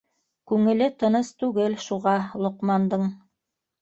Күңеле тыныс түгел шуға Лоҡмандың.